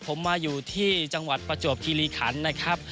ผมมาอยู่ที่จังหวัดประจวบคิริขันนะครับ